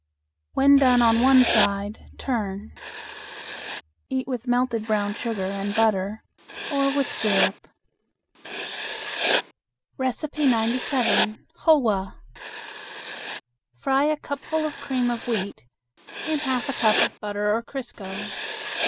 When done on one side, turn. Eat with melted brown sugar and butter or with syrup. 97. Hulwa. Fry a cupful of cream of wheat in half a cup of butter or crisco.